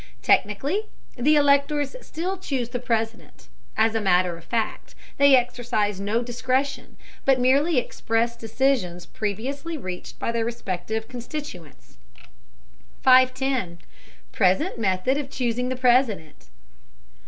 Technically the electors still choose the President; as a matter of fact they exercise no discretion, but merely express decisions previously reached by their respective constituents. 510. PRESENT METHOD OF CHOOSING THE PRESIDENT.